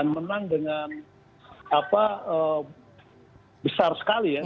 menang dengan besar sekali ya